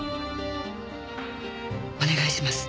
お願いします。